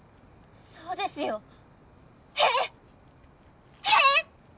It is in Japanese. そうですよ。へ！へ！